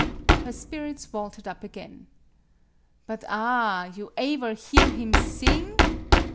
Her spirits vaulted up again. " But ah! You aever hear him sing